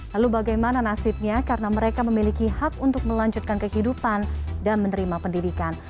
lalu bagaimana nasibnya karena mereka memiliki hak untuk melanjutkan kehidupan dan menerima pendidikan